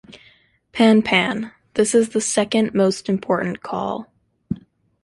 Pan-pan: This is the second most important call.